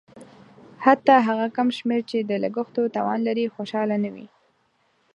حتی هغه کم شمېر چې د لګښتونو توان لري خوشاله نه وي.